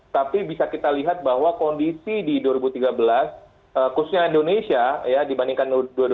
tapi bisa kita lihat bahwa kondisi di dua ribu tiga belas khususnya indonesia dibandingkan dua ribu dua puluh